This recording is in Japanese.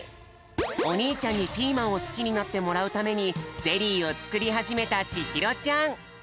おにいちゃんにピーマンをスキになってもらうためにゼリーをつくりはじめたちひろちゃん。